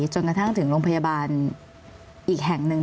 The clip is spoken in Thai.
จนกระทั่งถึงโรงพยาบาลอีกแห่งหนึ่ง